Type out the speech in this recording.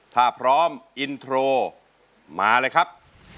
ถ้าพร้อมอินโทรมาเลยครับ